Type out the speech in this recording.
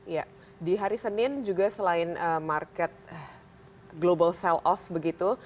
ya di hari senin juga selain market global sell of begitu